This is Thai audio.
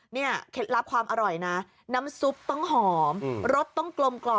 เคล็ดลับความอร่อยนะน้ำซุปต้องหอมรสต้องกลมกล่อม